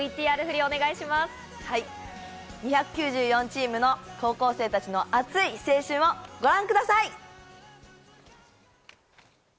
はい２９４チームの高校生たちの熱い青春をご覧ください！